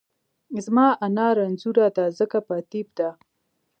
زما انا رنځورۀ دۀ ځکه په اتېب دۀ